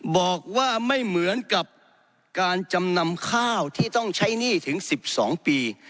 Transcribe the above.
บอกว่าไม่เหมือนกับการจำนำข้าวที่ต้องใช้หนี้ถึง๑๒ปี